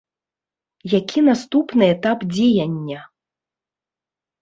Які наступны этап дзеяння?